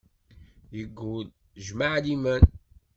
Yeggul, jmaɛ liman